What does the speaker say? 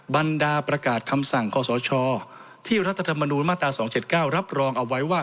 บรรดาประกาศคำสั่งขอสชที่รัฐธรรมนูญมาตรา๒๗๙รับรองเอาไว้ว่า